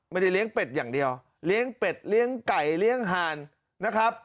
เลี้ยงเป็ดอย่างเดียวเลี้ยงเป็ดเลี้ยงไก่เลี้ยงห่านนะครับ